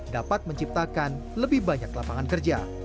dapat menciptakan lebih banyak lapangan kerja